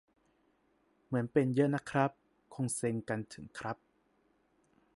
เหมือนเป็นเยอะนะครับ คงเซ็งกันถึง ครับ